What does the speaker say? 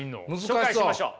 紹介しましょう。